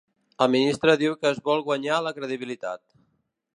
El ministre diu que es vol guanyar la credibilitat.